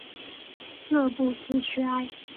勒布斯屈埃。